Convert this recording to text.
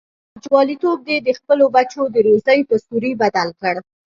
جواليتوب دې د خپلو بچو د روزۍ په سوري بدل کړ.